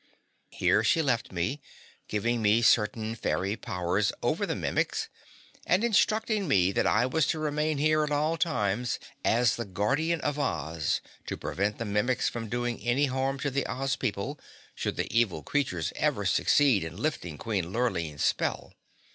Here she left me, giving me certain fairy powers over the Mimics and instructing me that I was to remain here at all times as the Guardian of Oz to prevent the Mimics from doing any harm to the Oz people should the evil creatures ever succeed in lifting Queen Lurline's spell.